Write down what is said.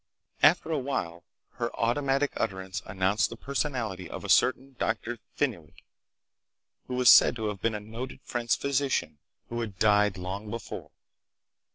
After a while her automatic utterance announced the personality of a certain Dr. Phinuit, who was said to have been a noted French physician who had died long before.